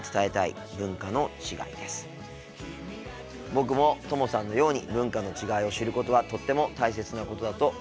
僕もともさんのように文化の違いを知ることはとっても大切なことだと思います。